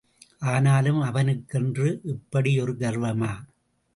ஆனாலும், அவனுக்கென்று இப்படி ஒரு கர்வமா?